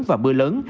và mưa lớn